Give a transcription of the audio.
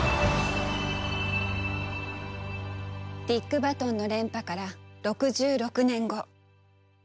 ディック・バトンの連覇から６６年後。